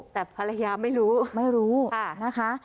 แต่ภรรยาไม่รู้ไม่รู้นะคะ